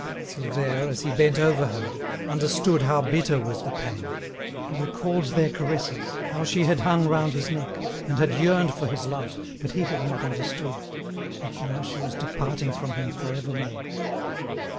Silvère, as he bent over her, understood how bitter was the pang. He recalled their caresses, how she had hung round his neck, and had yearned for his love, but he had not understood, and now she was departing from him for evermore.